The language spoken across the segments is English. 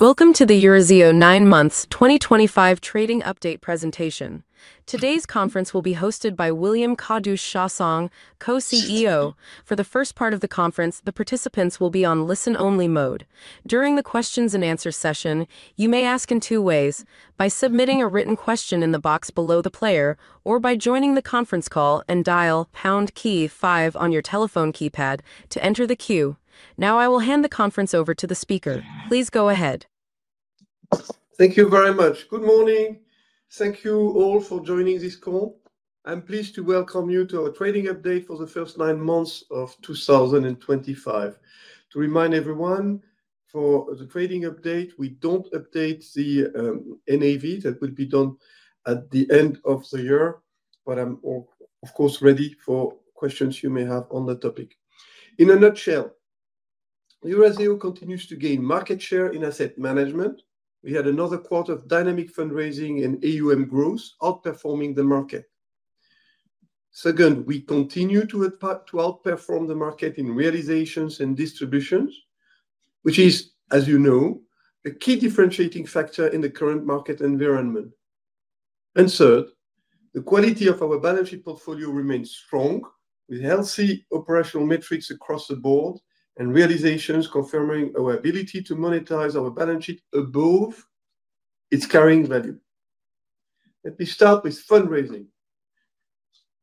Welcome to the Eurazeo 9 Months 2025 Trading Update presentation. Today's conference will be hosted by William Kadouch-Chassaing, Co-CEO. For the first part of the conference, the participants will be on listen-only mode. During the Q&A session, you may ask in two ways: by submitting a written question in the box below the player, or by joining the conference call and dial #KEY5 on your telephone keypad to enter the queue. Now I will hand the conference over to the speaker. Please go ahead. Thank you very much. Good morning. Thank you all for joining this call. I'm pleased to welcome you to our trading update for the first nine months of 2025. To remind everyone, for the trading update, we do not update the NAV. That will be done at the end of the year. I am, of course, ready for questions you may have on the topic. In a nutshell, Eurazeo continues to gain market share in asset management. We had another quarter of dynamic fundraising and AUM growth, outperforming the market. Second, we continue to outperform the market in realizations and distributions, which is, as you know, a key differentiating factor in the current market environment. Third, the quality of our balance sheet portfolio remains strong, with healthy operational metrics across the board and realizations confirming our ability to monetize our balance sheet above its carrying value. Let me start with fundraising.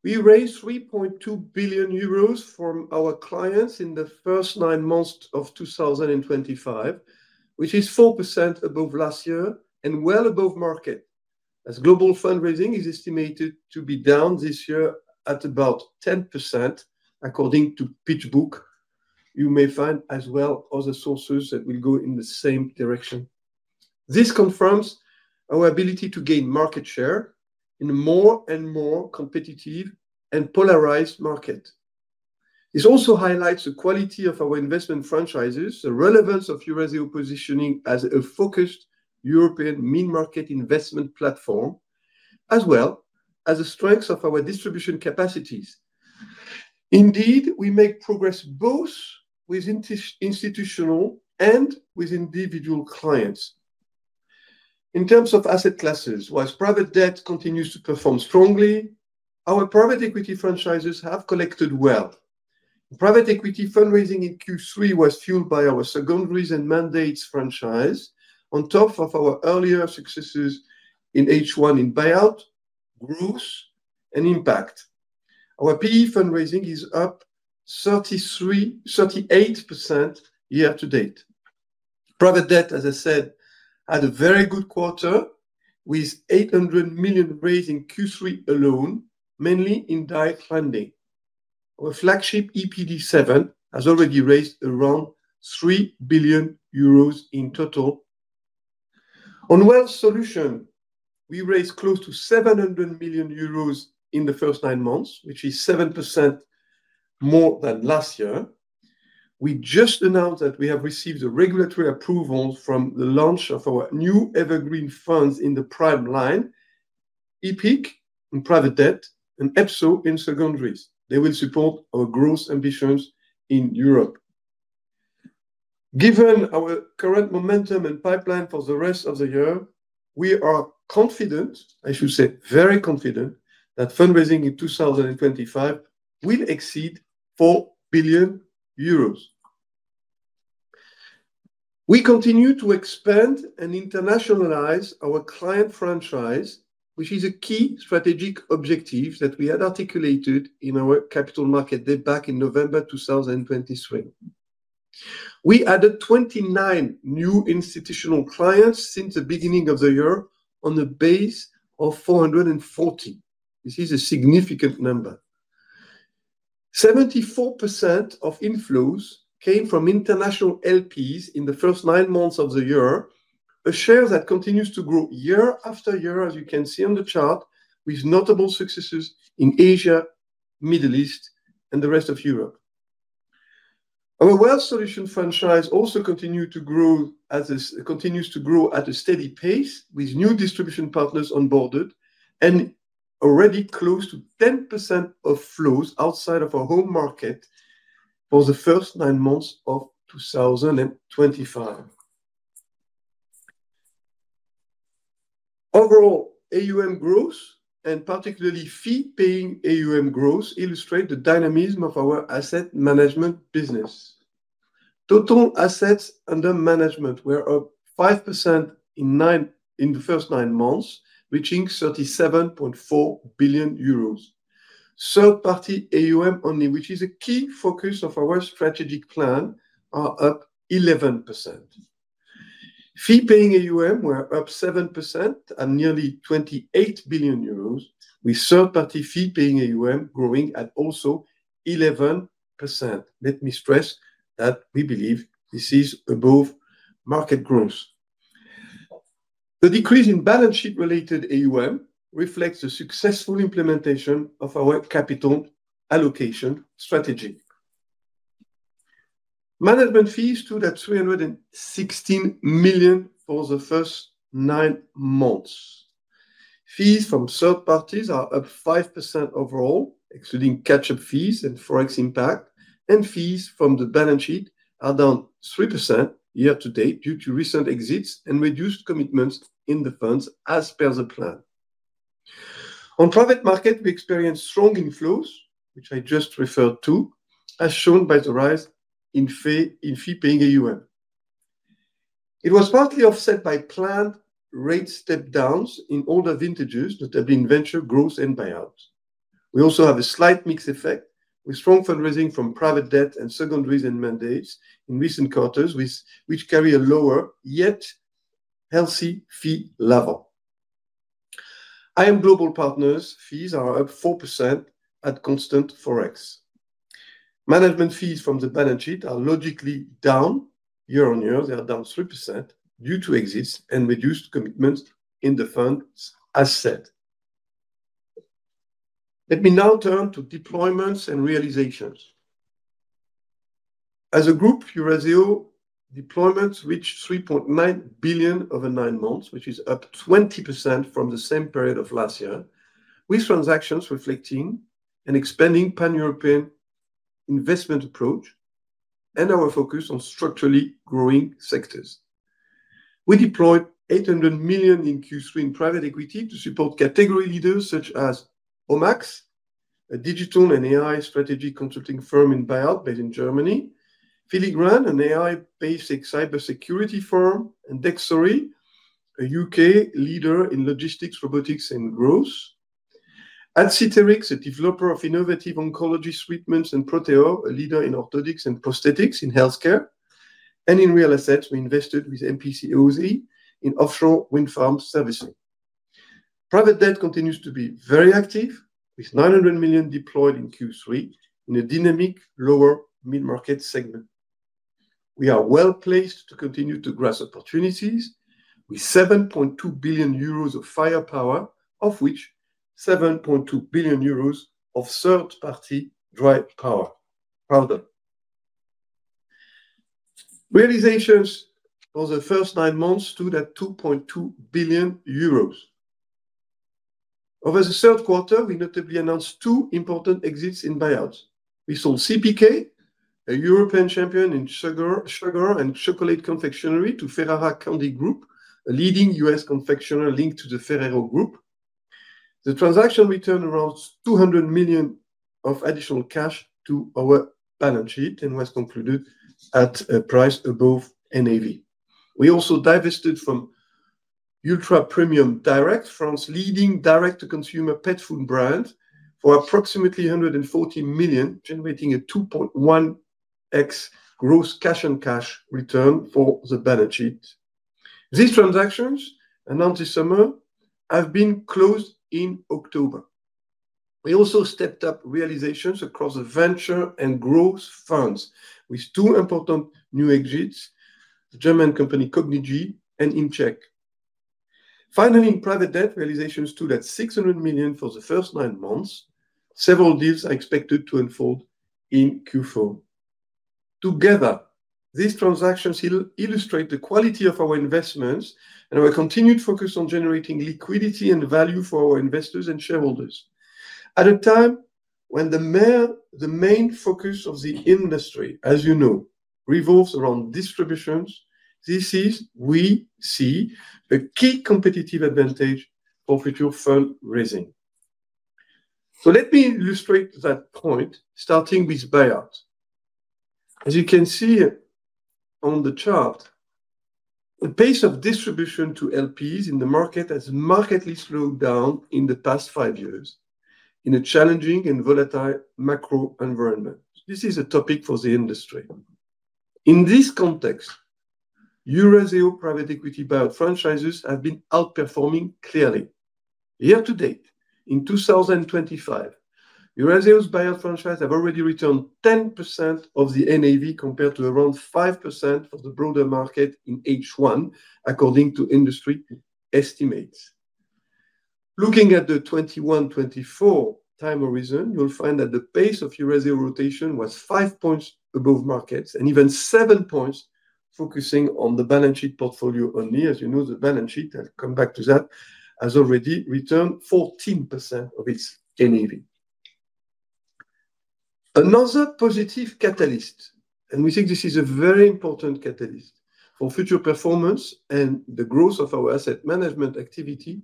We raised 3.2 billion euros from our clients in the first nine months of 2025, which is 4% above last year and well above market, as global fundraising is estimated to be down this year at about 10%, according to PitchBook. You may find, as well as other sources, that we'll go in the same direction. This confirms our ability to gain market share in a more and more competitive and polarized market. This also highlights the quality of our investment franchises, the relevance of Eurazeo positioning as a focused European mini-market investment platform. As well as the strength of our distribution capacities. Indeed, we make progress both with institutional and with individual clients. In terms of asset classes, while private debt continues to perform strongly, our private equity franchises have collected well. Private equity fundraising in Q3 was fueled by our secondaries and mandates franchise, on top of our earlier successes in H1 in buyout, growth, and impact. Our PE fundraising is up 38% year to date. Private debt, as I said, had a very good quarter, with 800 million raised in Q3 alone, mainly in direct lending. Our flagship EPD 7 has already raised around 3 billion euros in total. On wealth solutions, we raised close to 700 million euros in the first nine months, which is 7% more than last year. We just announced that we have received a regulatory approval for the launch of our new evergreen funds in the prime line, EPIC in private debt and EPSO in secondaries. They will support our growth ambitions in Europe. Given our current momentum and pipeline for the rest of the year, we are confident—I should say very confident—that fundraising in 2025 will exceed EUR 4 billion. We continue to expand and internationalize our client franchise, which is a key strategic objective that we had articulated in our capital market update back in November 2023. We added 29 new institutional clients since the beginning of the year on a base of 440. This is a significant number. 74% of inflows came from international LPs in the first nine months of the year, a share that continues to grow year after year, as you can see on the chart, with notable successes in Asia, the Middle East, and the rest of Europe. Our wealth solution franchise also continues to grow at a steady pace, with new distribution partners onboarded and already close to 10% of flows outside of our home market. For the first nine months of 2025. Overall, AUM growth, and particularly fee-paying AUM growth, illustrate the dynamism of our asset management business. Total assets under management were up 5% in the first nine months, reaching 37.4 billion euros. Third-party AUM only, which is a key focus of our strategic plan, are up 11%. Fee-paying AUM were up 7% at nearly 28 billion euros, with third-party fee-paying AUM growing at also 11%. Let me stress that we believe this is above market growth. The decrease in balance sheet-related AUM reflects the successful implementation of our capital allocation strategy. Management fees stood at 316 million for the first nine months. Fees from third parties are up 5% overall, excluding catch-up fees and forex impact, and fees from the balance sheet are down 3% year to date due to recent exits and reduced commitments in the funds, as per the plan. On private market, we experienced strong inflows, which I just referred to, as shown by the rise in fee-paying AUM. It was partly offset by planned rate step-downs in older vintages, notably in venture, growth, and buyouts. We also have a slight mixed effect, with strong fundraising from private debt and secondaries and mandates in recent quarters, which carry a lower yet healthy fee level. iM Global Partner's fees are up 4% at constant forex. Management fees from the balance sheet are logically down year on year. They are down 3% due to exits and reduced commitments in the funds as said. Let me now turn to deployments and realizations. As a group, Eurazeo deployments reached 3.9 billion over 9 months, which is up 20% from the same period of last year, with transactions reflecting an expanding pan-European investment approach and our focus on structurally growing sectors. We deployed 800 million in Q3 in private equity to support category leaders such as OMMAX, a digital and AI strategy consulting firm in buyout, based in Germany; Filigran, an AI-based cybersecurity firm; and Dexory, a U.K. leader in logistics, robotics, and growth. Adcytherix, a developer of innovative oncology treatments; and Proteor, a leader in orthotics and prosthetics in healthcare. In real estate, we invested with MPC OSE in offshore wind farm servicing. Private debt continues to be very active, with 900 million deployed in Q3 in a dynamic lower-mid-market segment. We are well placed to continue to grasp opportunities, with 7.2 billion euros of firepower, of which 7.2 billion euros of third-party drive power. Realizations for the first nine months stood at 2.2 billion euros. Over the third quarter, we notably announced two important exits in buyouts. We sold CPK, a European champion in sugar and chocolate confectionery, to Ferrara Candy Group, a leading U.S. confectioner linked to the Ferrero Group. The transaction returned around 200 million of additional cash to our balance sheet and was concluded at a price above NAV. We also divested from Ultra Premium Direct, France's leading direct-to-consumer pet food brand, for approximately 140 million, generating a 2.1x gross cash-on-cash return for the balance sheet. These transactions, announced this summer, have been closed in October. We also stepped up realizations across the venture and growth funds, with two important new exits: the German company Cognigy and ImCheck. Finally, in private debt, realizations stood at 600 million for the first 9 months. Several deals are expected to unfold in Q4. Together, these transactions illustrate the quality of our investments and our continued focus on generating liquidity and value for our investors and shareholders. At a time when the main focus of the industry, as you know, revolves around distributions, this is, we see, a key competitive advantage for future fundraising. Let me illustrate that point, starting with buyouts. As you can see on the chart, the pace of distribution to LPs in the market has markedly slowed down in the past five years in a challenging and volatile macro environment. This is a topic for the industry. In this context, Eurazeo private equity buyout franchises have been outperforming clearly. Year to date, in 2025, Eurazeo's buyout franchises have already returned 10% of the NAV, compared to around 5% for the broader market in H1, according to industry estimates. Looking at the 2021-2024 time horizon, you'll find that the pace of Eurazeo rotation was five percentage points above markets and even seven percentage points, focusing on the balance sheet portfolio only. As you know, the balance sheet—I will come back to that—has already returned 14% of its NAV. Another positive catalyst, and we think this is a very important catalyst for future performance and the growth of our asset management activity,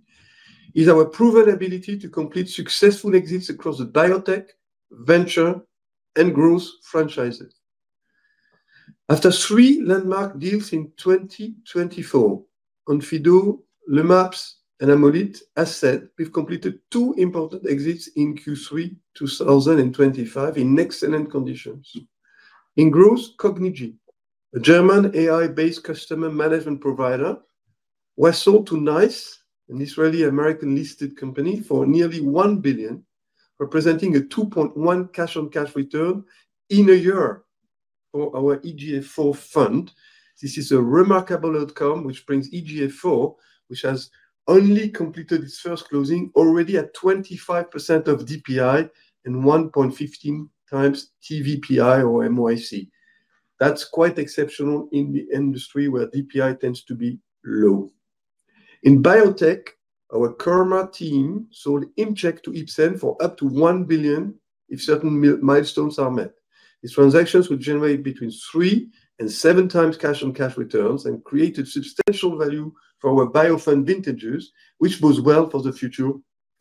is our proven ability to complete successful exits across the biotech, venture, and growth franchises. After three landmark deals in 2024, Onfido, Lumapps, and Amolyt assets, we have completed two important exits in Q3 2025 in excellent conditions. In growth, Cognigy, a German AI-based customer management provider, was sold to NiCE, an Israeli American-listed company, for nearly 1 billion, representing a 2.1% cash-on-cash return in a year for our EGF4 fund. This is a remarkable outcome, which brings EGF4, which has only completed its first closing, already at 25% of DPI and 1.15x TVPI or MOIC. That is quite exceptional in the industry where DPI tends to be low. In biotech, our Kurma team sold ImCheck to Ipsen for up to 1 billion if certain milestones are met. These transactions would generate between 3x and 7x cash-on-cash returns and created substantial value for our biofund vintages, which bodes well for the future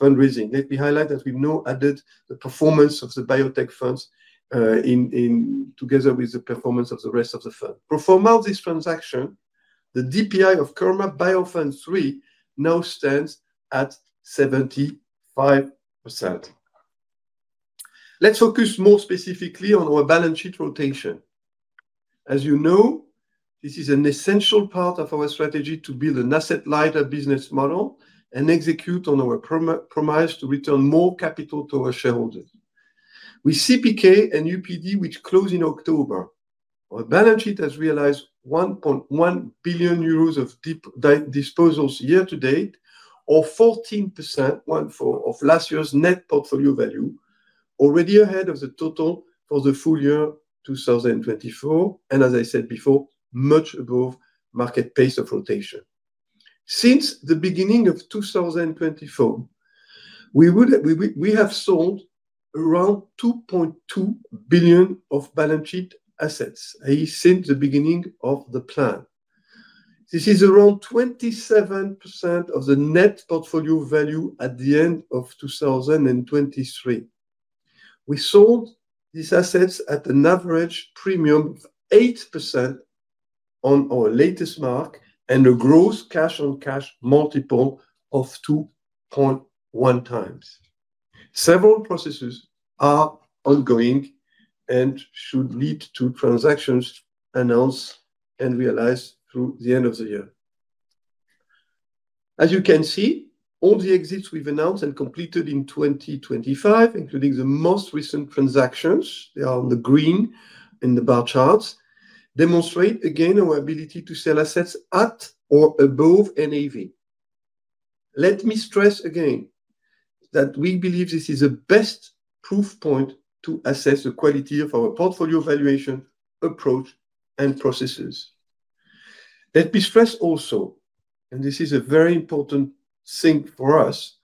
fundraising. Let me highlight that we've now added the performance of the biotech funds. Together with the performance of the rest of the fund. Proforma of this transaction, the DPI of Kurma Biofund 3 now stands at 75%. Let's focus more specifically on our balance sheet rotation. As you know, this is an essential part of our strategy to build an asset-lighter business model and execute on our promise to return more capital to our shareholders. With CPK and UPD, which closed in October, our balance sheet has realized 1.1 billion euros of disposals year to date, or 14% of last year's net portfolio value, already ahead of the total for the full year 2024, and as I said before, much above market pace of rotation. Since the beginning of 2024. We have sold around 2.2 billion of balance sheet assets, i.e., since the beginning of the plan. This is around 27% of the net portfolio value at the end of 2023. We sold these assets at an average premium of 8% on our latest mark and a gross cash-on-cash multiple of 2.1x. Several processes are ongoing and should lead to transactions announced and realized through the end of the year. As you can see, all the exits we've announced and completed in 2025, including the most recent transactions—they are on the green in the bar charts—demonstrate again our ability to sell assets at or above NAV. Let me stress again that we believe this is the best proof point to assess the quality of our portfolio valuation approach and processes. Let me stress also, and this is a very important thing for us.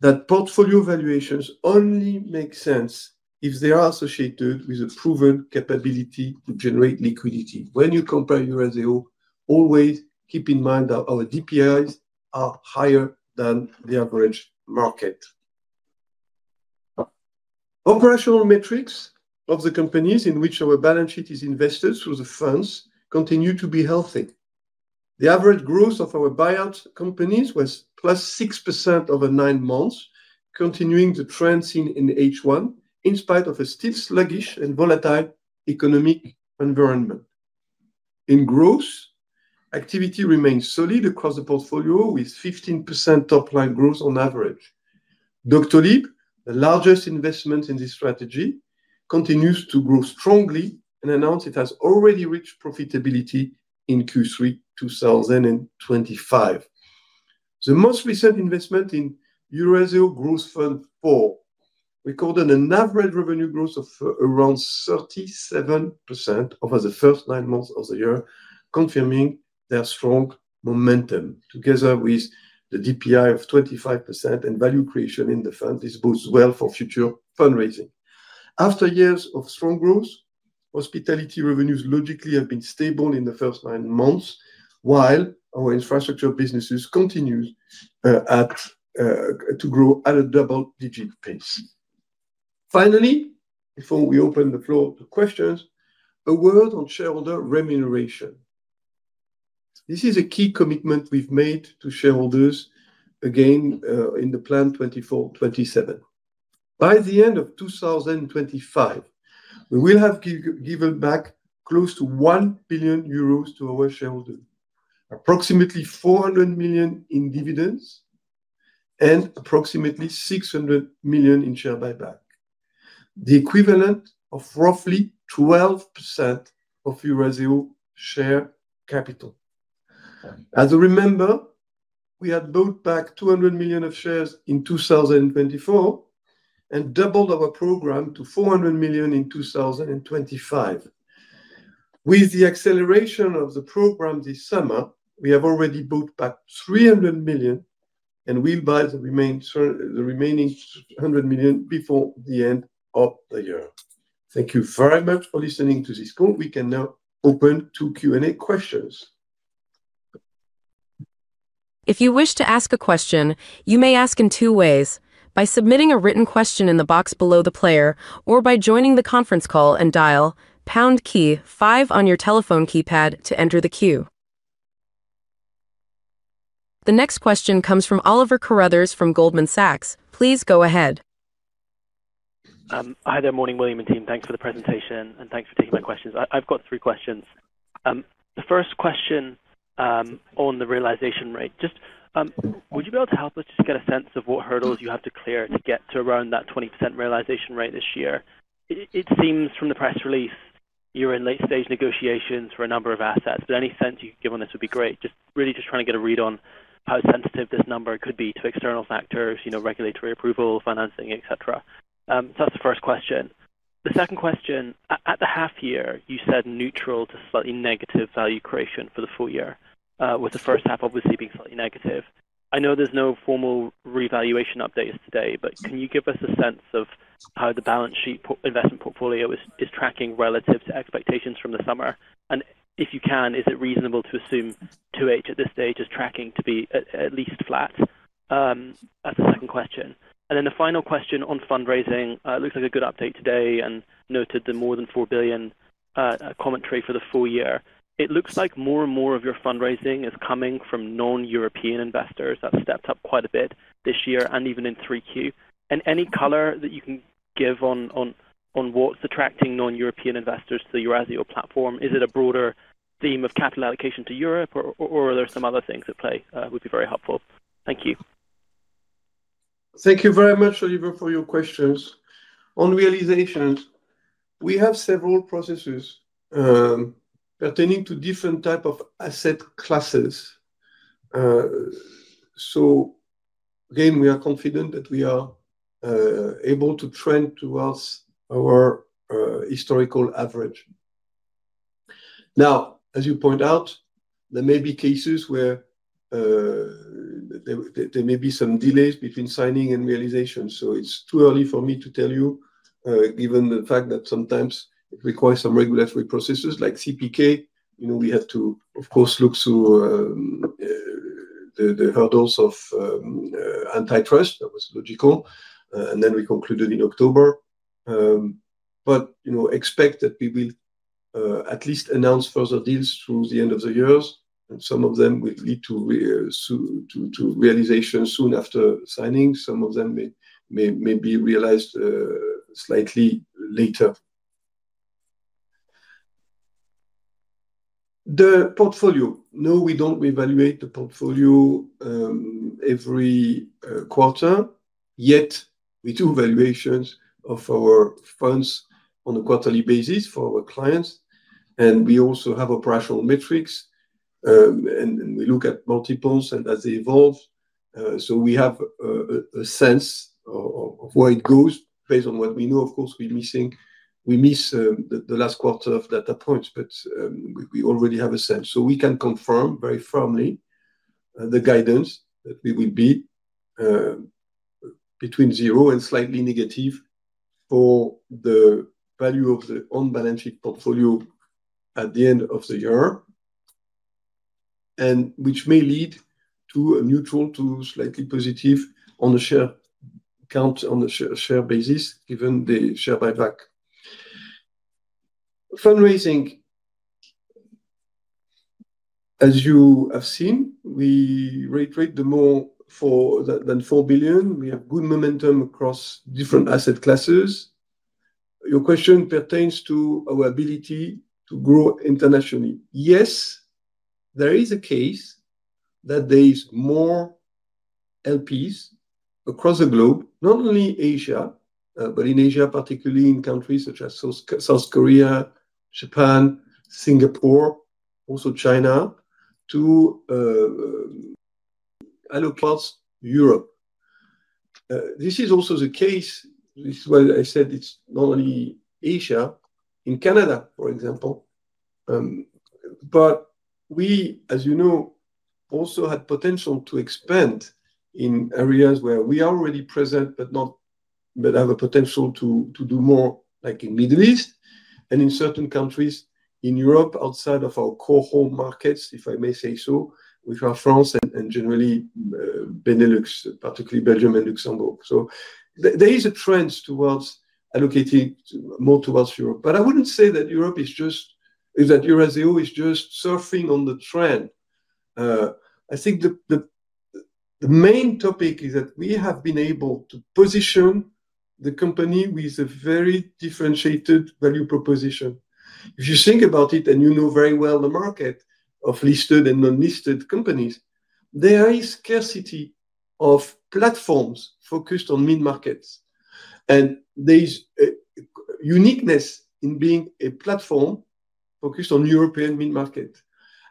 That portfolio valuations only make sense if they are associated with a proven capability to generate liquidity. When you compare Eurazeo, always keep in mind that our DPIs are higher than the average market. Operational metrics of the companies in which our balance sheet is invested through the funds continue to be healthy. The average growth of our buyout companies was +6% over 9 months, continuing the trends seen in H1, in spite of a still sluggish and volatile economic environment. In growth, activity remains solid across the portfolio, with 15% top-line growth on average. Doctolib, the largest investment in this strategy, continues to grow strongly and announced it has already reached profitability in Q3 2025. The most recent investment in Eurazeo Growth Fund 4 recorded an average revenue growth of around 37% over the first nine months of the year, confirming their strong momentum. Together with the DPI of 25% and value creation in the fund, this bodes well for future fundraising. After years of strong growth, hospitality revenues logically have been stable in the first nine months, while our infrastructure businesses continue to grow at a double-digit pace. Finally, before we open the floor to questions, a word on shareholder remuneration. This is a key commitment we've made to shareholders, again, in the plan 2024-2027. By the end of 2025, we will have given back close to 1 billion euros to our shareholders, approximately 400 million in dividends. Approximately 600 million in share buyback. The equivalent of roughly 12% of Eurazeo share capital. As a reminder, we had bought back 200 million of shares in 2024 and doubled our program to 400 million in 2025. With the acceleration of the program this summer, we have already bought back 300 million and will buy the remaining 100 million before the end of the year. Thank you very much for listening to this call. We can now open to Q&A questions. If you wish to ask a question, you may ask in two ways: by submitting a written question in the box below the player or by joining the conference call and dial #5 on your telephone keypad to enter the queue. The next question comes from Oliver Carruthers from Goldman Sachs. Please go ahead. Hi there, morning William and team. Thanks for the presentation and thanks for taking my questions. I've got three questions. The first question. On the realization rate, just would you be able to help us just get a sense of what hurdles you have to clear to get to around that 20% realization rate this year? It seems from the press release you're in late-stage negotiations for a number of assets, but any sense you could give on this would be great. Just really just trying to get a read on how sensitive this number could be to external factors, regulatory approval, financing, etc. That is the first question. The second question, at the half-year, you said neutral to slightly negative value creation for the full year, with the first half obviously being slightly negative. I know there's no formal revaluation updates today, but can you give us a sense of how the balance sheet investment portfolio is tracking relative to expectations from the summer? If you can, is it reasonable to assume 2H at this stage is tracking to be at least flat? That's the second question. The final question on fundraising, it looks like a good update today and noted the more than 4 billion. Commentary for the full year. It looks like more and more of your fundraising is coming from non-European investors. That's stepped up quite a bit this year and even in 3Q. Any color that you can give on what's attracting non-European investors to the Eurazeo platform? Is it a broader theme of capital allocation to Europe, or are there some other things at play? Would be very helpful. Thank you. Thank you very much, Oliver, for your questions. On realizations, we have several processes pertaining to different types of asset classes. Again, we are confident that we are able to trend towards our historical average. Now, as you point out, there may be cases where there may be some delays between signing and realization. It is too early for me to tell you, given the fact that sometimes it requires some regulatory processes like CPK. We have to, of course, look through the hurdles of antitrust. That was logical, and then we concluded in October. Expect that we will at least announce further deals through the end of the year, and some of them will lead to realization soon after signing. Some of them may be realized slightly later. The portfolio, no, we do not revaluate the portfolio. Every quarter, yet we do valuations of our funds on a quarterly basis for our clients. We also have operational metrics. We look at multiples and as they evolve. We have a sense of where it goes based on what we know. Of course, we're missing the last quarter of data points, but we already have a sense. We can confirm very firmly the guidance that we will be between zero and slightly negative for the value of the on-balance sheet portfolio at the end of the year, which may lead to a neutral to slightly positive on the share count on the share basis, given the share buyback. Fundraising. As you have seen, we raised more than 4 billion. We have good momentum across different asset classes. Your question pertains to our ability to grow internationally. Yes. There is a case that there is more. LPs across the globe, not only Asia, but in Asia, particularly in countries such as South Korea, Japan, Singapore, also China, to allocate across Europe. This is also the case. This is why I said it's not only Asia. In Canada, for example. But we, as you know, also had potential to expand in areas where we are already present, but have a potential to do more, like in the Middle East and in certain countries in Europe outside of our core home markets, if I may say so, which are France and generally Benelux, particularly Belgium and Luxembourg. There is a trend towards allocating more towards Europe. I wouldn't say that Europe is just that Eurazeo is just surfing on the trend. I think the main topic is that we have been able to position the company with a very differentiated value proposition. If you think about it and you know very well the market of listed and non-listed companies, there is scarcity of platforms focused on mid-markets. There is uniqueness in being a platform focused on European mid-market.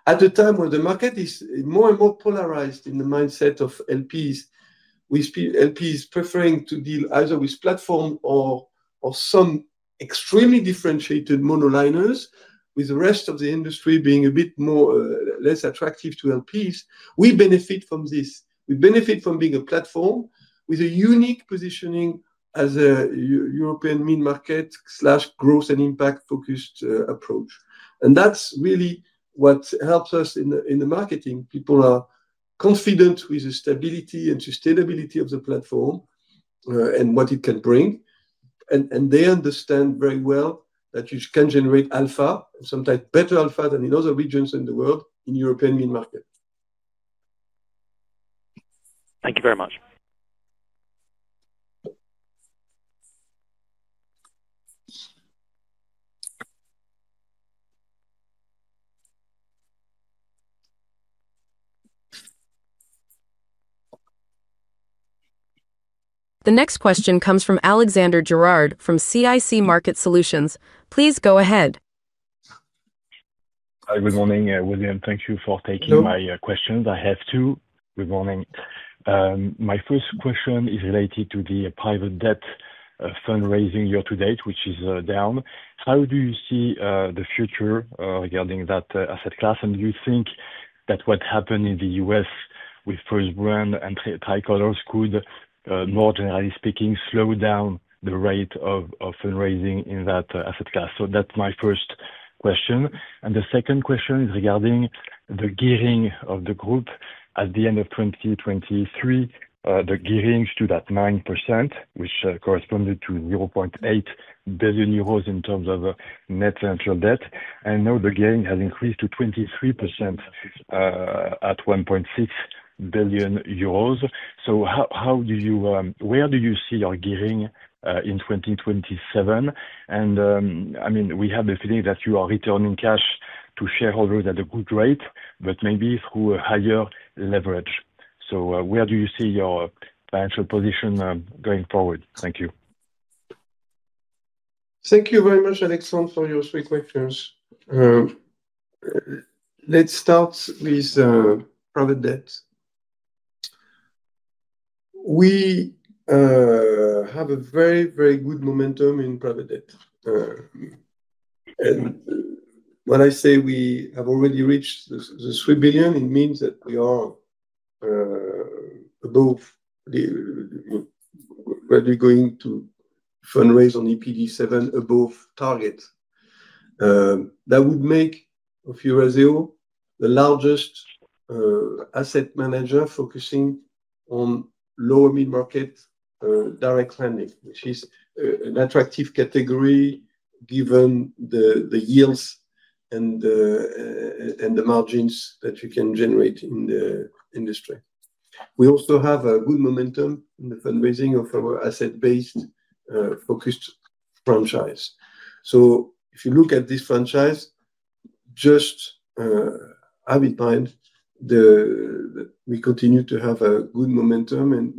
At a time where the market is more and more polarized in the mindset of LPs, we see LPs preferring to deal either with platform or some extremely differentiated monoliners, with the rest of the industry being a bit less attractive to LPs. We benefit from this. We benefit from being a platform with a unique positioning as a European mid-market/growth and impact-focused approach. That is really what helps us in the marketing. People are confident with the stability and sustainability of the platform and what it can bring. They understand very well that you can generate alpha, sometimes better alpha than in other regions in the world, in European mid-market. Thank you very much. The next question comes from Alexandre Gérard from CIC Market Solutions. Please go ahead. Hi, good morning, William. Thank you for taking my questions. I have two. Good morning. My first question is related to the private debt fundraising year to date, which is down. How do you see the future regarding that asset class? Do you think that what happened in the U.S. with First Brand and Tricolor could, more generally speaking, slow down the rate of fundraising in that asset class? That is my first question. The second question is regarding the gearing of the group at the end of 2023, the gearing to that 9%, which corresponded to 0.8 billion euros in terms of net financial debt. Now the gearing has increased to 23% at 1.6 billion euros. Where do you see your gearing in 2027? I mean, we have the feeling that you are returning cash to shareholders at a good rate, but maybe through a higher leverage. Where do you see your financial position going forward? Thank you. Thank you very much, Alexandre, for your three questions. Let's start with private debt. We have a very, very good momentum in private debt. When I say we have already reached the 3 billion, it means that we are above where we're going to fundraise on EPD 7 above target. That would make Eurazeo the largest asset manager focusing on lower mid-market direct lending, which is an attractive category given the yields and the margins that you can generate in the industry. We also have a good momentum in the fundraising of our asset-based focused franchise. If you look at this franchise, just have in mind that we continue to have a good momentum and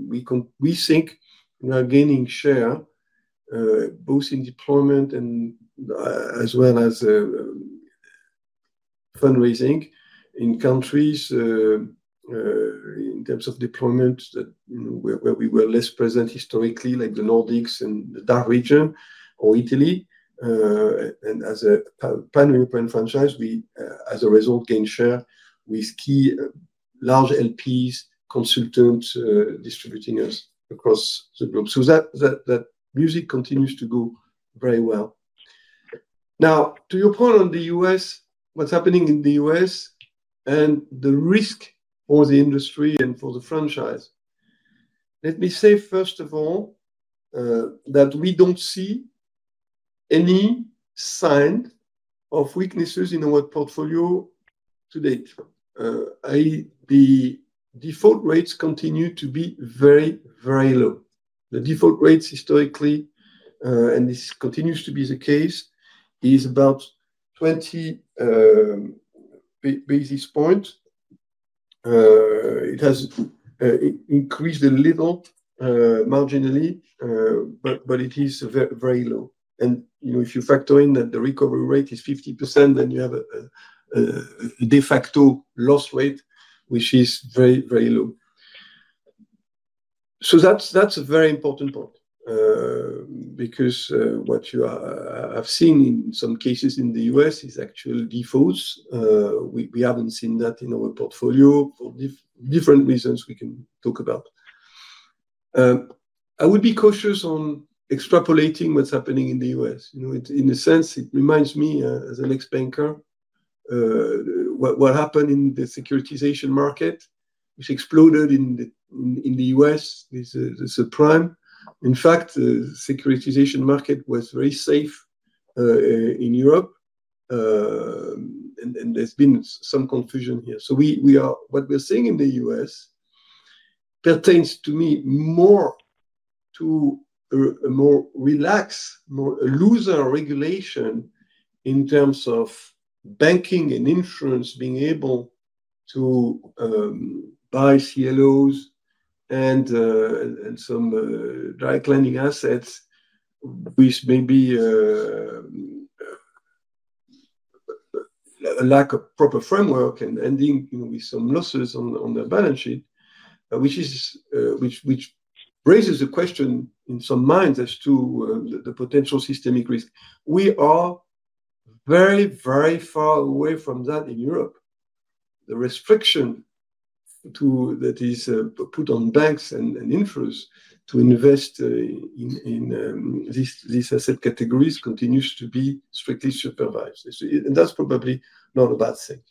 we think we are gaining share both in deployment as well as fundraising in countries in terms of deployment where we were less present historically, like the Nordics and the DACH region or Italy. As a Pan-European franchise, we, as a result, gain share with key large LPs, consultants, distributing us across the group. That music continues to go very well. Now, to your point on the U.S., what's happening in the U.S. and the risk for the industry and for the franchise. Let me say, first of all, that we do not see any sign of weaknesses in our portfolio to date. The default rates continue to be very, very low. The default rates historically, and this continues to be the case, is about 20 basis points. It has increased a little marginally, but it is very low. If you factor in that the recovery rate is 50%, then you have a de facto loss rate, which is very, very low. That is a very important point. What you have seen in some cases in the U.S. is actual defaults. We have not seen that in our portfolio for different reasons we can talk about. I would be cautious on extrapolating what is happening in the U.S. In a sense, it reminds me, as an ex-banker, what happened in the securitization market, which exploded in the U.S., the subprime. In fact, the securitization market was very safe in Europe. There has been some confusion here. What we are seeing in the U.S. pertains to me more to a more relaxed, more looser regulation in terms of banking and insurance being able to buy CLOs and some direct lending assets, with maybe a lack of proper framework and ending with some losses on the balance sheet, which raises a question in some minds as to the potential systemic risk. We are very, very far away from that in Europe. The restriction that is put on banks and insurers to invest in these asset categories continues to be strictly supervised, and that's probably not a bad thing.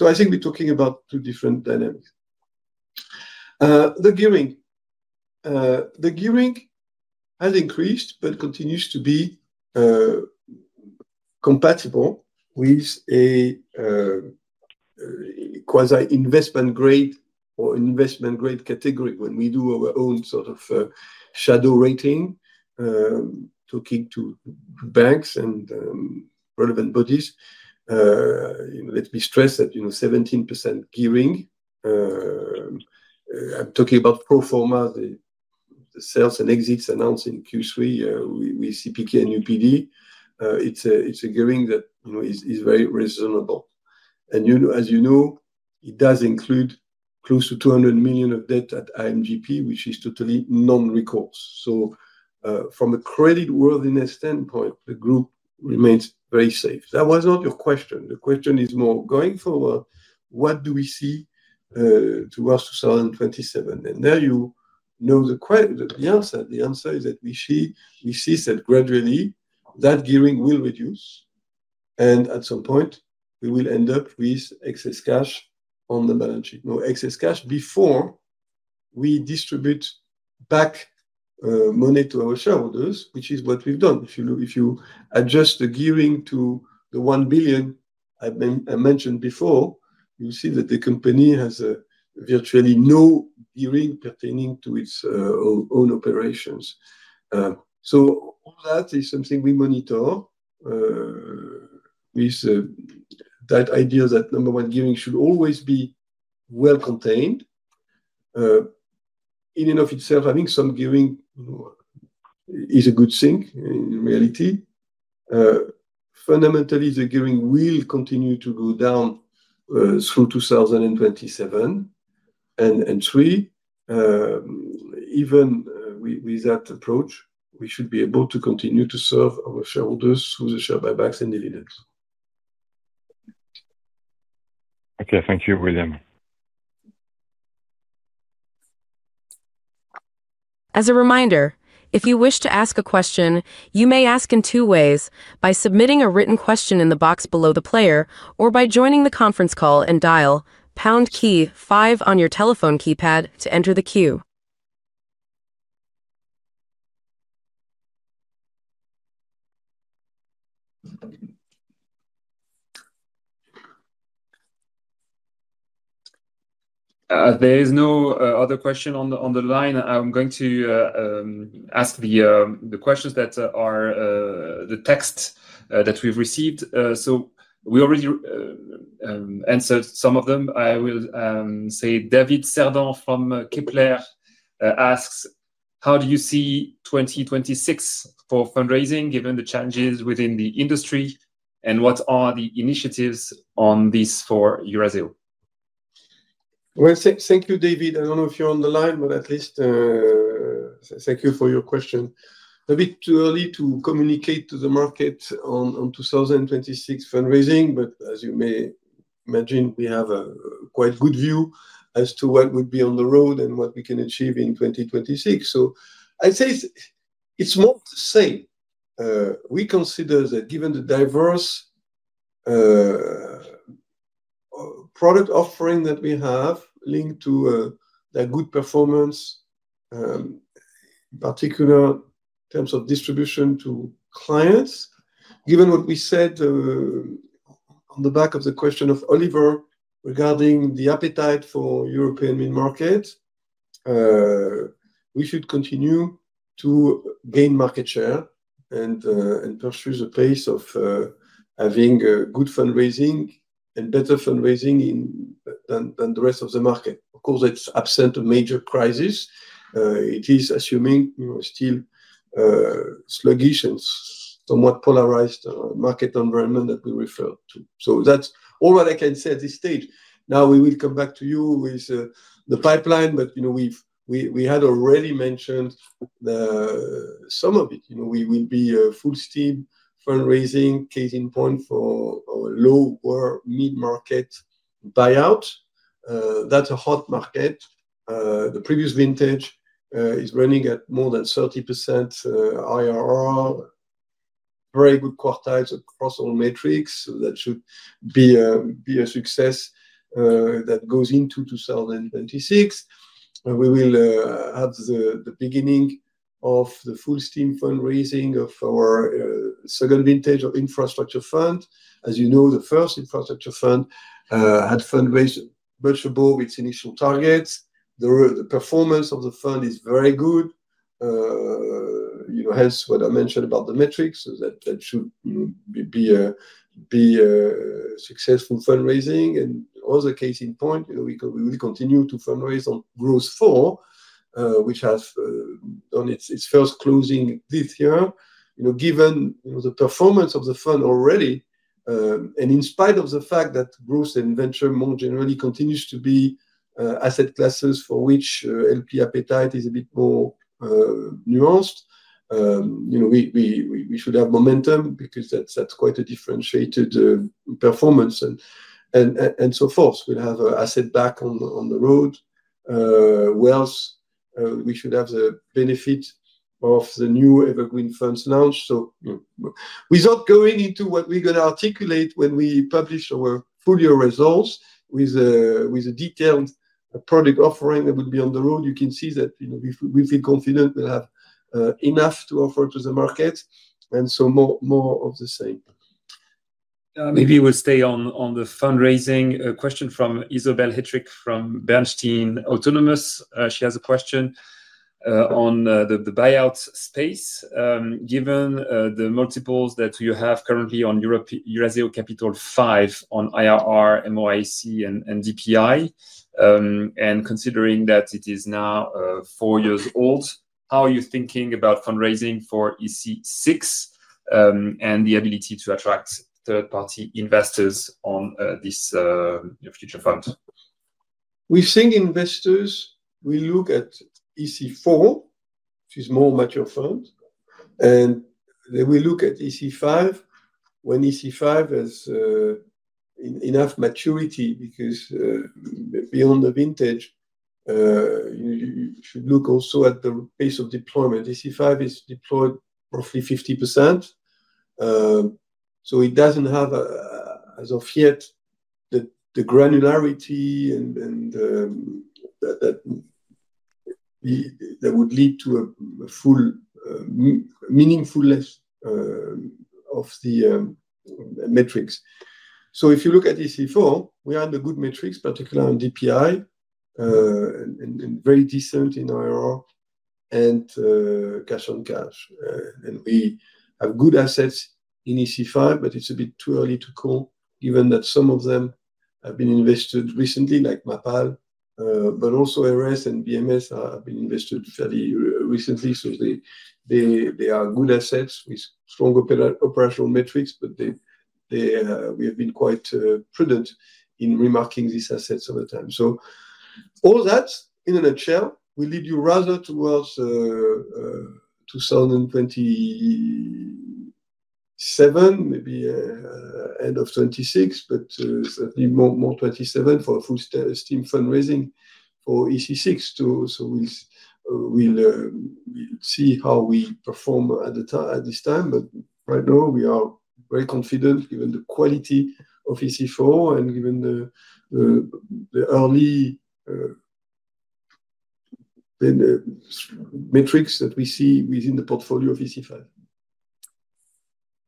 I think we're talking about two different dynamics. The gearing has increased but continues to be compatible with a quasi-investment grade or investment grade category when we do our own sort of shadow rating, talking to banks and relevant bodies. Let's be stressed at 17% gearing. I'm talking about pro forma the sales and exits announced in Q3 with CPK and UPD. It is a gearing that is very reasonable. And as you know, it does include close to 200 million of debt at IM Global Partners, which is totally non-recourse. So from a creditworthiness standpoint, the group remains very safe. That was not your question. The question is more going forward, what do we see. Towards 2027? And there you know the answer. The answer is that we see that gradually that gearing will reduce. At some point, we will end up with excess cash on the balance sheet. No excess cash before. We distribute back money to our shareholders, which is what we have done. If you adjust the gearing to the 1 billion I mentioned before, you will see that the company has virtually no gearing pertaining to its own operations. All that is something we monitor. That idea that number one, gearing should always be well contained. In and of itself, having some gearing is a good thing in reality. Fundamentally, the gearing will continue to go down through 2027. And three, even with that approach, we should be able to continue to serve our shareholders through the share buybacks and dividends. Okay, thank you, William. As a reminder, if you wish to ask a question, you may ask in two ways: by submitting a written question in the box below the player or by joining the conference call and dial #5 on your telephone keypad to enter the queue. There is no other question on the line. I'm going to ask the questions that are the text that we've received. So we already answered some of them. I will say David Cerdan from Kepler asks, "How do you see 2026 for fundraising given the challenges within the industry? And what are the initiatives on this for Eurazeo?" Thank you, David. I do not know if you are on the line, but at least thank you for your question. A bit too early to communicate to the market on 2026 fundraising, but as you may imagine, we have a quite good view as to what would be on the road and what we can achieve in 2026. I would say it is more to say we consider that given the diverse product offering that we have linked to the good performance, in particular in terms of distribution to clients, given what we said on the back of the question of Oliver regarding the appetite for European mid-market, we should continue to gain market share and pursue the pace of having good fundraising and better fundraising than the rest of the market. Of course, it is absent of major crises. It is assuming still sluggish and somewhat polarized market environment that we refer to. That is all that I can say at this stage. Now, we will come back to you with the pipeline, but we had already mentioned some of it. We will be full-steam fundraising, case in point for our lower mid-market buyout. That is a hot market. The previous vintage is running at more than 30% IRR. Very good quartiles across all metrics. That should be a success. That goes into 2026. We will have the beginning of the full-steam fundraising of our second vintage of infrastructure fund. As you know, the first infrastructure fund had fundraised much above its initial targets. The performance of the fund is very good. Hence what I mentioned about the metrics, that should be. A successful fundraising. Also, case in point, we will continue to fundraise on GROWTH IV, which has done its first closing this year. Given the performance of the fund already, and in spite of the fact that GROWTH and venture more generally continue to be asset classes for which LP appetite is a bit more nuanced, we should have momentum because that's quite a differentiated performance and so forth. We'll have asset back on the road. We should have the benefit of the new evergreen funds launch. Without going into what we're going to articulate when we publish our full year results with a detailed product offering that would be on the road, you can see that we feel confident we'll have enough to offer to the market. More of the same. Maybe we'll stay on the fundraising question from Isobel Hettrick from Bernstein Autonomous. She has a question. On the buyout space. Given the multiples that you have currently on Eurazeo Capital 5 on IRR, MOIC, and DPI. And considering that it is now four years old, how are you thinking about fundraising for EC-VI and the ability to attract third-party investors on this. future fund? We're seeing investors. We look at EC-IV, which is a more mature fund. And then we look at EC-V when EC-V has. Enough maturity because. Beyond the vintage. You should look also at the pace of deployment. EC-V is deployed roughly 50%. So it does not have. As of yet. The granularity and. That would lead to a full. Meaningfulness. Of the. Metrics. If you look at EC-IV, we have the good metrics, particularly on DPI. And very decent in IRR and. Cash on cash. We have good assets in EC-V, but it is a bit too early to call given that some of them have been invested recently, like Mapal. Ares and BMS have also been invested fairly recently. They are good assets with stronger operational metrics. We have been quite prudent in remarking these assets over time. All that, in a nutshell, will lead you rather towards 2027, maybe end of 2026, but certainly more 2027 for full-steam fundraising for EC-VI. We will see how we perform at this time. Right now, we are very confident given the quality of EC-IV and given the early metrics that we see within the portfolio of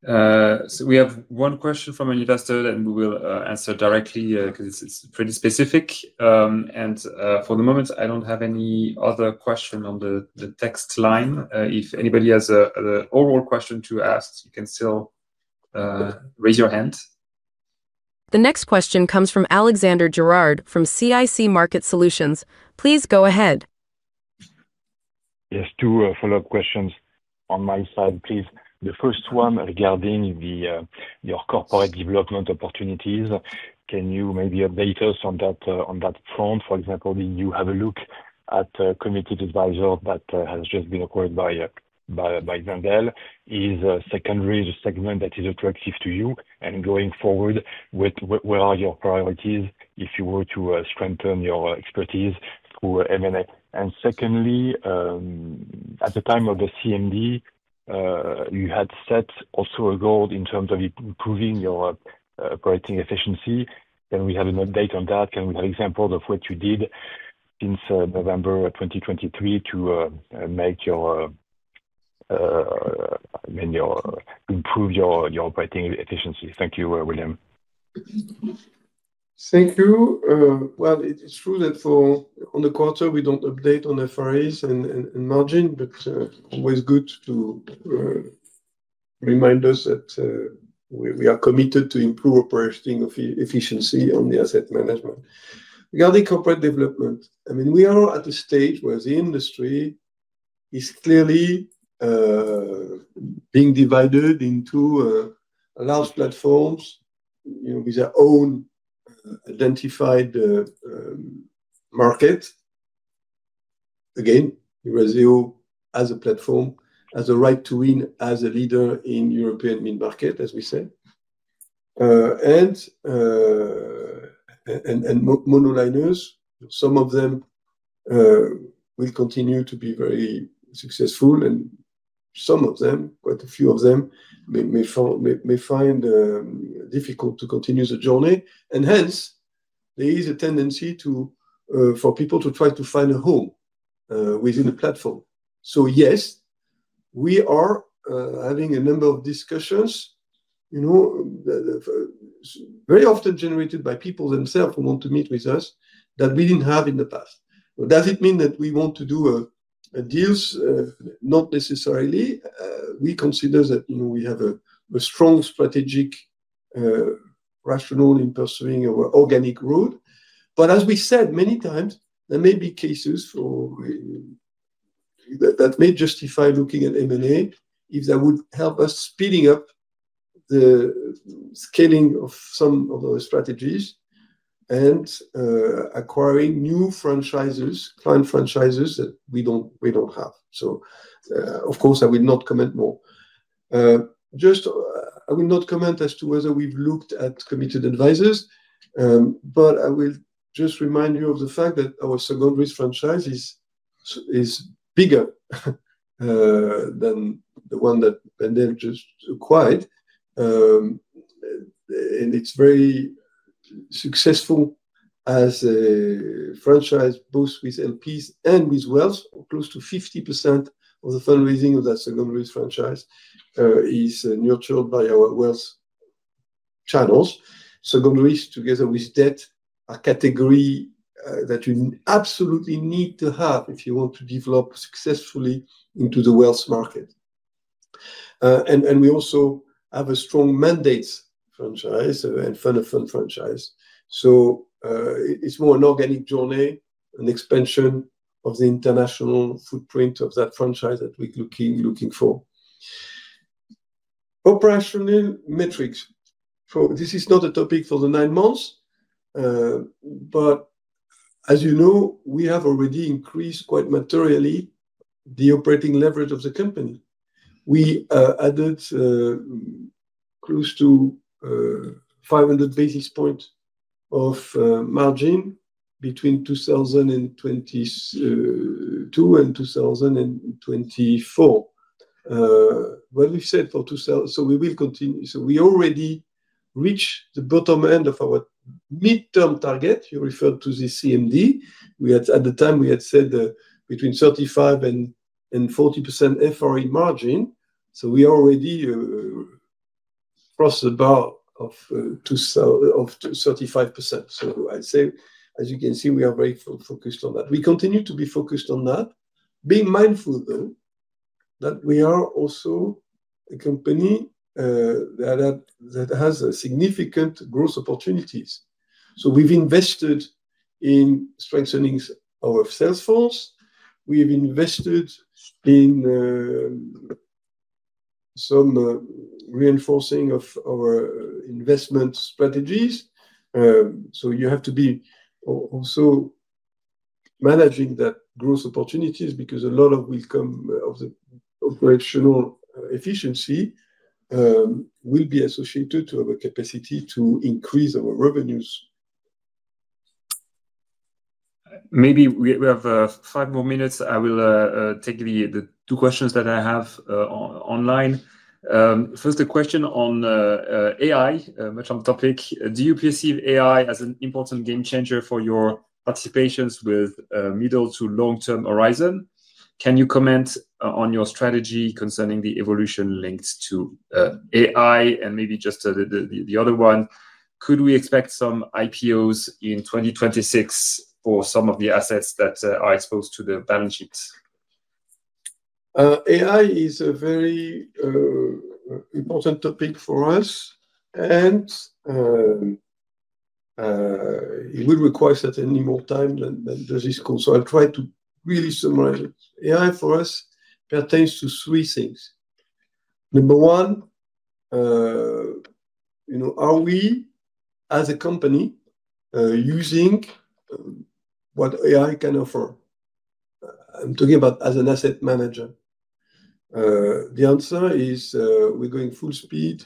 EC-V. We have one question from an investor that we will answer directly because it is pretty specific. For the moment, I do not have any other question on the text line. If anybody has an overall question to ask, you can still raise your hand. The next question comes from Alexandre Gérard from CIC Market Solutions. Please go ahead. Yes, two follow-up questions on my side, please. The first one regarding your corporate development opportunities. Can you maybe update us on that front? For example, did you have a look at a committed advisor that has just been acquired by Vandel? Is secondary the segment that is attractive to you? Going forward, where are your priorities if you were to strengthen your expertise through M&A? Secondly, at the time of the CMD, you had set also a goal in terms of improving your operating efficiency. Can we have an update on that? Can we have examples of what you did since November 2023 to improve your operating efficiency? Thank you, William. Thank you. It is true that for the quarter, we do not update on FRAs and margin, but it is always good to remind us that we are committed to improve operating efficiency on the asset management. Regarding corporate development, I mean, we are at a stage where the industry is clearly being divided into large platforms with their own identified market. Again, Eurazeo as a platform has a right to win as a leader in the European mid-market, as we say. Monoliners, some of them will continue to be very successful, and some of them, quite a few of them, may find it difficult to continue the journey. Hence, there is a tendency for people to try to find a home within a platform. Yes, we are having a number of discussions. Very often generated by people themselves who want to meet with us that we did not have in the past. Does it mean that we want to do deals? Not necessarily. We consider that we have a strong strategic rationale in pursuing our organic route. As we said many times, there may be cases that may justify looking at M&A if that would help us speeding up the scaling of some of our strategies and acquiring new franchises, client franchises that we do not have. Of course, I will not comment more. I will not comment as to whether we have looked at committed advisors. I will just remind you of the fact that our secondary franchise is bigger than the one that Vandel just acquired. It is very successful as a franchise both with LPs and with wealths. Close to 50% of the fundraising of that secondary franchise is nurtured by our wealths channels. Secondaries, together with debt, are a category that you absolutely need to have if you want to develop successfully into the wells market. We also have a strong mandate franchise and fund-of-fund franchise. It is more an organic journey, an expansion of the international footprint of that franchise that we are looking for. Operational metrics. This is not a topic for the nine months. As you know, we have already increased quite materially the operating leverage of the company. We added close to 500 basis points of margin between 2022 and 2024. What we have said for, we will continue. We already reached the bottom end of our midterm target. You referred to the CMD. At the time, we had said between 35% and 40% FRA margin. We already crossed the bar of 35%. I'd say, as you can see, we are very focused on that. We continue to be focused on that, being mindful, though, that we are also a company that has significant growth opportunities. We've invested in strengthening our sales force. We've invested in some reinforcing of our investment strategies. You have to be also managing that growth opportunities because a lot of the operational efficiency will be associated with our capacity to increase our revenues. Maybe we have five more minutes. I will take the two questions that I have online. First, a question on AI, a much-on-topic. Do you perceive AI as an important game changer for your participations with middle to long-term horizon? Can you comment on your strategy concerning the evolution linked to AI? Maybe just the other one, could we expect some IPOs in 2026 for some of the assets that are exposed to the balance sheets? AI is a very important topic for us. It will require certainly more time than this discourse. I will try to really summarize it. AI for us pertains to three things. Number one, are we, as a company, using what AI can offer? I am talking about as an asset manager. The answer is we are going full speed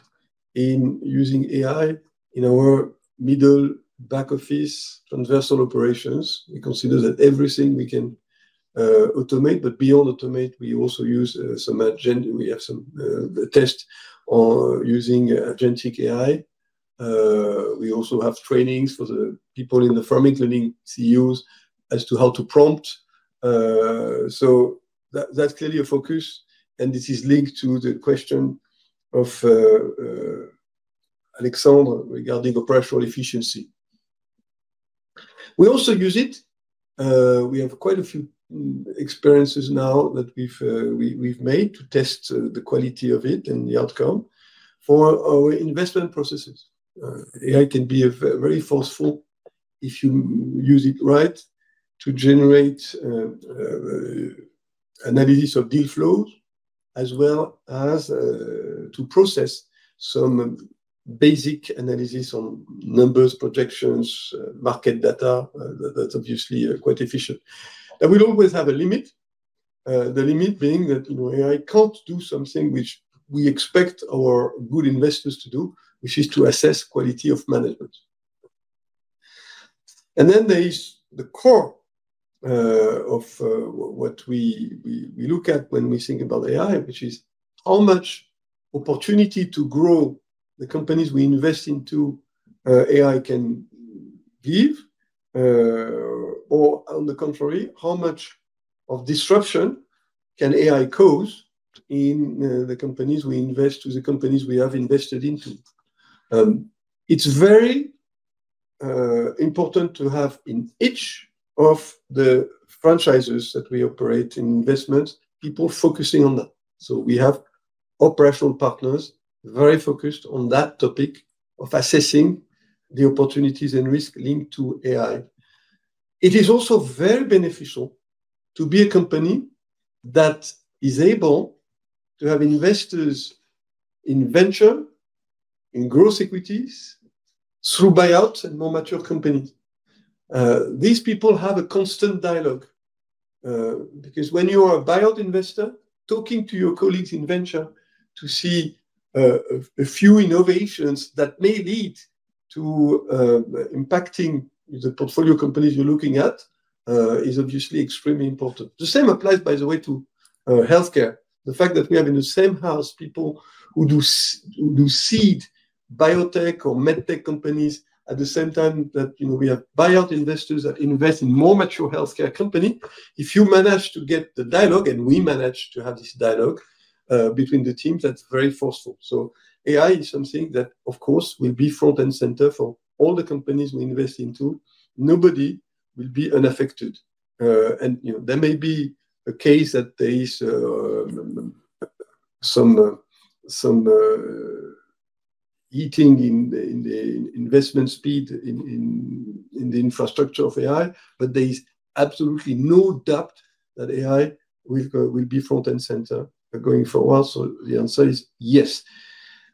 in using AI in our middle back office transversal operations. We consider that everything we can automate, but beyond automate, we also use some agent. We have some tests using agentic AI. We also have trainings for the people in the firm, including CEOs, as to how to prompt. That is clearly a focus. This is linked to the question of Alexandre regarding operational efficiency. We also use it. We have quite a few experiences now that we've made to test the quality of it and the outcome for our investment processes. AI can be very forceful if you use it right to generate analysis of deal flows, as well as to process some basic analysis on numbers, projections, market data. That's obviously quite efficient. That will always have a limit. The limit being that AI can't do something which we expect our good investors to do, which is to assess quality of management. There is the core of what we look at when we think about AI, which is how much opportunity to grow the companies we invest into AI can give, or on the contrary, how much of disruption can AI cause in the companies we invest, to the companies we have invested into. It's very. Important to have in each of the franchises that we operate in investments, people focusing on that. We have operational partners very focused on that topic of assessing the opportunities and risk linked to AI. It is also very beneficial to be a company that is able to have investors. In venture. In growth equities. Through buyouts and more mature companies. These people have a constant dialogue. Because when you are a buyout investor, talking to your colleagues in venture to see a few innovations that may lead to impacting the portfolio companies you're looking at is obviously extremely important. The same applies, by the way, to healthcare. The fact that we have in the same house people who seed biotech or medtech companies at the same time that we have buyout investors that invest in more mature healthcare companies. If you manage to get the dialogue, and we manage to have this dialogue between the teams, that's very forceful. AI is something that, of course, will be front and center for all the companies we invest into. Nobody will be unaffected. There may be a case that there is some easing in the investment speed in the infrastructure of AI, but there is absolutely no doubt that AI will be front and center going forward. The answer is yes.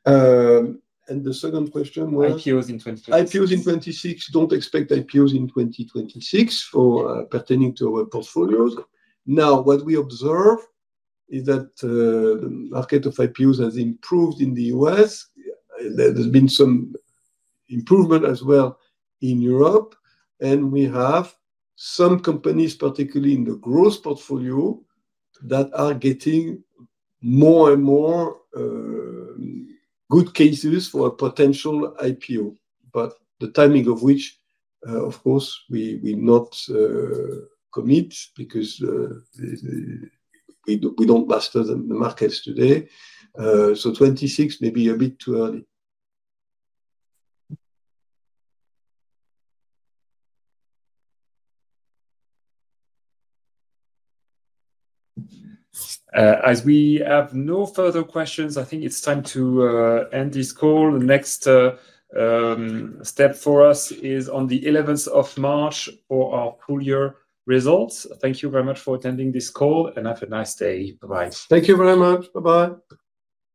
The second question, IPOs in 2026. IPOs in 2026. Do not expect IPOs in 2026 pertaining to our portfolios. What we observe is that the market of IPOs has improved in the U.S. There has been some improvement as well in Europe. We have some companies, particularly in the growth portfolio, that are getting more and more good cases for a potential IPO. The timing of which, of course, we will not commit because we do not master the markets today. Twenty twenty-six may be a bit too early. As we have no further questions, I think it is time to end this call. The next step for us is on the 11th of March for our full-year results. Thank you very much for attending this call, and have a nice day. Bye-bye. Thank you very much. Bye-bye.